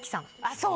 そう！